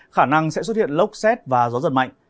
khả năng sẽ xuất hiện lốc xét và gió giật mạnh